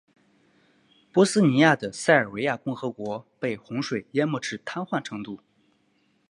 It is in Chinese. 波斯尼亚的塞尔维亚共和国被洪水淹没至瘫痪程度。